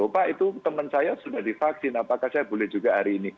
pak itu teman saya sudah divaksin apakah saya boleh juga hari ini